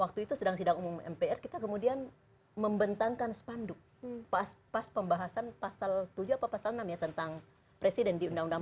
waktu itu sedang sidang umum mpr kita kemudian membentangkan sepanduk pas pas pembahasan pasal tujuh apa pasal enam ya tentang presiden di undang undang